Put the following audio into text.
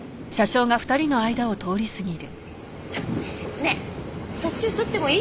ねえそっち移ってもいい？